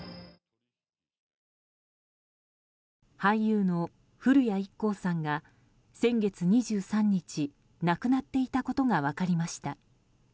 俳優の古谷一行さんが先月２３日亡くなっていたことが分かりました。